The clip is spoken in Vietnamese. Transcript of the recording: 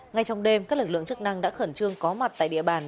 ngay trong đêm các lực lượng chức năng đã khẩn trương có mặt tại địa bàn